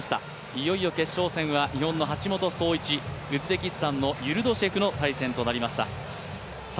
いよいよ決勝戦は日本の橋本壮市、ウズベキスタンのウズベキスタンのユルドシェフの対戦となりました。